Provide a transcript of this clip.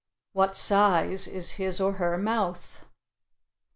What size is his or her mouth?